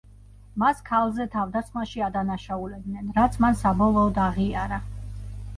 მას ქალზე თავდასხმაში ადანაშაულებდნენ, რაც მან საბოლოოდ აღიარა.